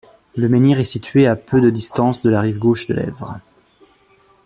Le menhir est situé à peu de distance de la rive gauche de l'Èvre.